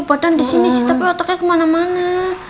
badan disini sih tapi otaknya kemana mana